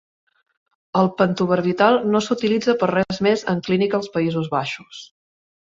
El pentobarbital no s'utilitza per res més en clínica als Països Baixos.